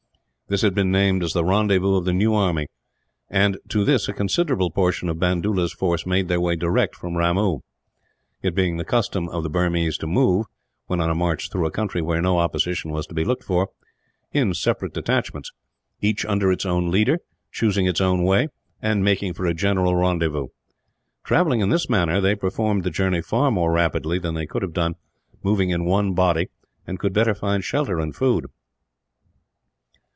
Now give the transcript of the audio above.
This had been named as the rendezvous of the new army, and to this a considerable proportion of Bandoola's force made their way direct from Ramoo; it being the custom of the Burmese to move, when on a march through a country where no opposition was to be looked for, in separate detachments, each under its own leader, choosing its own way, and making for a general rendezvous. Travelling in this manner, they performed the journey far more rapidly than they could have done moving in one body, and could better find shelter and food.